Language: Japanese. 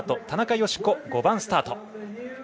田中佳子、５番スタート。